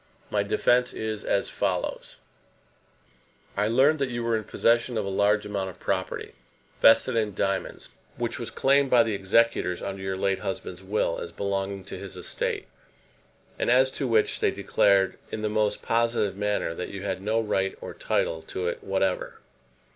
My defence is as follows: I learned that you were in possession of a large amount of property, vested in diamonds, which was claimed by the executors under your late husband's will as belonging to his estate; and as to which they declared, in the most positive manner, that you had no right or title to it whatever.